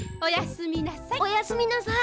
おやすみなさい。